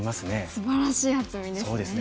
すばらしい厚みですね。